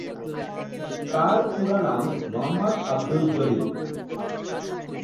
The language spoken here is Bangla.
তার পুরো নাম মোহাম্মদ আব্দুল জলিল।